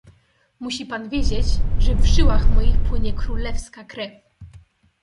"Musi pan wiedzieć, że w żyłach moich płynie królewska krew."